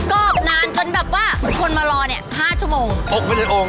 กรอบนานคนมารอนี่๕ชั่วโมง